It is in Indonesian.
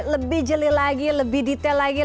lebih jeli lagi lebih detail lagi